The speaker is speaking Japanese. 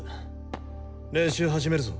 練習始めるぞ。